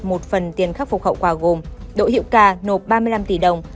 một phần tiền khắc phục hậu quả gồm đỗ hiệu ca nộp ba mươi năm tỷ đồng